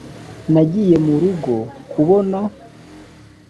nagiye murugo kubana